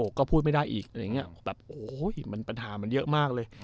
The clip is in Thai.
โอ้ก็พูดไม่ได้อีกปัญหามันเยอะมากเลย